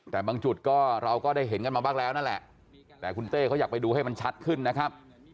แต่บางจุดก็เราก็ได้เห็นกันมาบ้างแล้วนั่นแหละแต่คุณเต้เขาอยากไปดูให้มันชัดขึ้นนะครับ